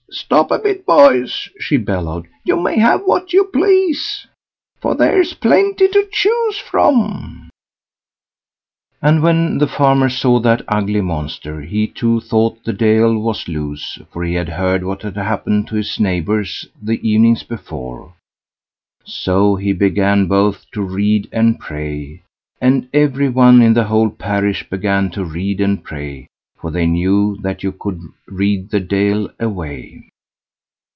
stop a bit, boys!" she bellowed; "you may have what you please, for there's plenty to choose from." And when the farmer saw that ugly monster, he, too, thought the Deil was loose, for he had heard what had happened to his neighbours the evenings before; so he began both to read and pray, and every one in the whole parish began to read and pray, for they knew that you could read the Deil away.